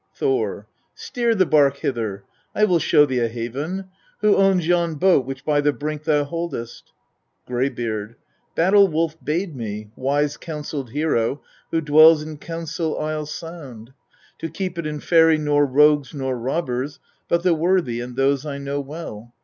Thor. 7. Steer the bark hither ! I will show thee a haven. Who owns yon boat which by the brink thou boldest ? Greybeard. 8. Battle wolf bade me wise counselled hero, who dwells in Counsel Isle Sound to keep it and ferry nor rogues nor robbers but the worthy and those I know well.